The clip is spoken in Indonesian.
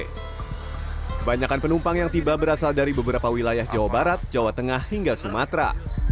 kebanyakan penumpang yang tiba berasal dari beberapa wilayah jawa barat jawa tengah hingga sumatera